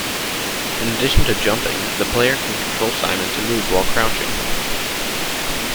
In addition to jumping, the player can control Simon to move while crouching.